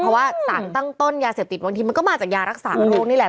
เพราะว่าสารตั้งต้นยาเสพติดบางทีมันก็มาจากยารักษาโรคนี่แหละ